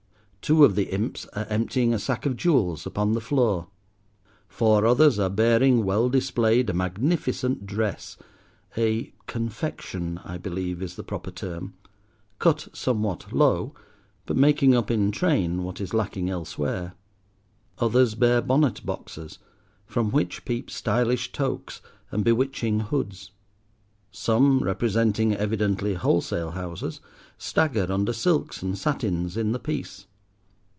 Two of the Imps are emptying a sack of jewels upon the floor. Four others are bearing, well displayed, a magnificent dress (a "confection," I believe, is the proper term) cut somewhat low, but making up in train what is lacking elsewhere. Others bear bonnet boxes from which peep stylish toques and bewitching hoods. Some, representing evidently wholesale houses, stagger under silks and satins in the piece.